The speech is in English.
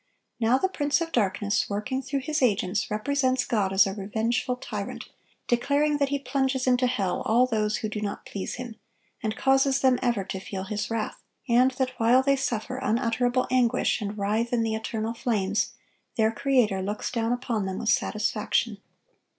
Now the prince of darkness, working through his agents, represents God as a revengeful tyrant, declaring that He plunges into hell all those who do not please Him, and causes them ever to feel His wrath; and that while they suffer unutterable anguish, and writhe in the eternal flames, their Creator looks down upon them with satisfaction.